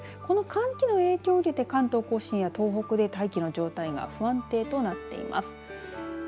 この寒気の影響を受けて関東甲信や東北で大気の状態が不安定となっています。